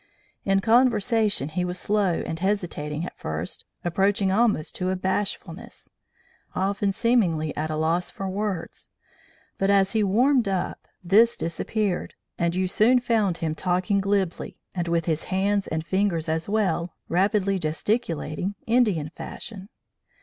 In conversation he was slow and hesitating at first, approaching almost to bashfulness, often seemingly at a loss for words; but, as he warmed up, this disappeared, and you soon found him talking glibly, and with his hands and fingers as well rapidly gesticulating Indian fashion.